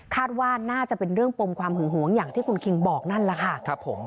ว่าน่าจะเป็นเรื่องปมความหึงหวงอย่างที่คุณคิงบอกนั่นแหละค่ะ